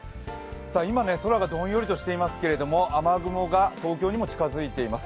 今、空がどんよりとしていますけれども、雨雲が東京にも近づいています。